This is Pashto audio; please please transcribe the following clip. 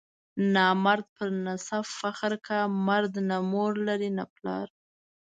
نامرد پر نسب فخر کا، مرد نه مور لري نه پلار.